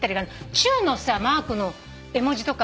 チューのさマークの絵文字とか。